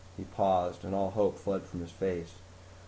He paused and all hope fled from his face.